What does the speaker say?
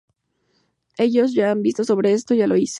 Ellos ya han visto sobre eso, ya lo hice.